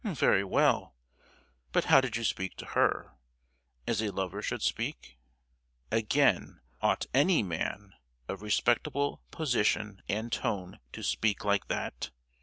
"Very well. But how did you speak to her? As a lover should speak? Again, ought any man of respectable position and tone to speak like that?